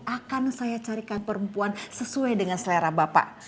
akan saya carikan perempuan sesuai dengan selera bapak